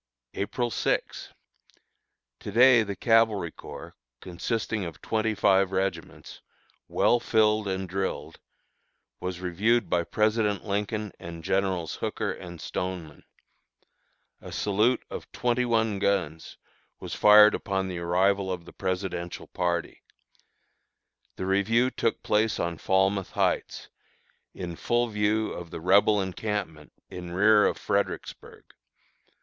April 6. To day the Cavalry Corps, consisting of twenty five regiments, well filled and drilled, was reviewed by President Lincoln and Generals Hooker and Stoneman. A salute of twenty one guns was fired upon the arrival of the Presidential party. The review took place on Falmouth Heights, in full view of the Rebel encampment in rear of Fredericksburg.